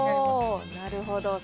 なるほど。